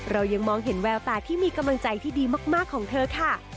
เรายังมองเห็นแววตาที่มีกำลังใจที่ดีมากของเธอค่ะ